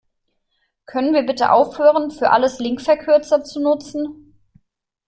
Können wir bitte aufhören, für alles Linkverkürzer zu nutzen?